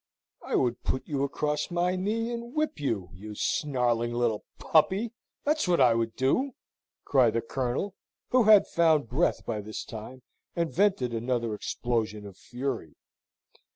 "I would put you across my knee and whip you, you snarling little puppy, that's what I would do!" cried the Colonel, who had found breath by this time, and vented another explosion of fury.